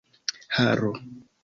haro